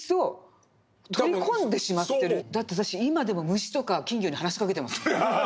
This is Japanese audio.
今でも虫とか金魚に話しかけてますもん。